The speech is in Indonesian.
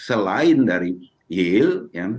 selain dari yield